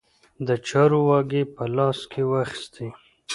د چارو واګې په لاس کې واخیستې.